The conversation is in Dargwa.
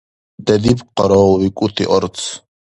Дедиб къараул викӀути арц.